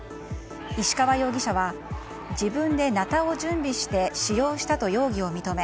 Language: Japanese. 石川容疑者は自分でなたを準備して使用したと容疑を認め